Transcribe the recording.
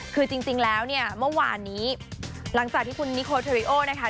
คือจริงแล้วเนี่ยเมื่อวานนี้หลังจากที่คุณนิโคเทอริโอนะคะ